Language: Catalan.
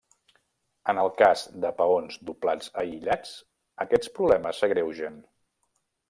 En el cas de peons doblats aïllats, aquests problemes s'agreugen.